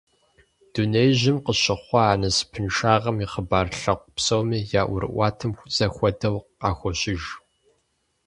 Дунеижьым къыщыхъуа а насыпыншагъэм и хъыбар лъэпкъ псоми я ӀуэрыӀуатэм зэхуэдэу къахощыж.